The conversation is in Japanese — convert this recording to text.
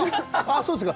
そうですか。